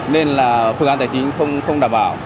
nên là phương án tài chính không đảm bảo